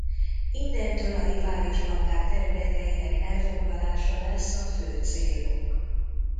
Innentől a rivális bandák területeinek elfoglalása lesz a fő célunk.